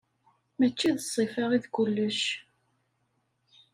Mačči d ṣṣifa i d kullec.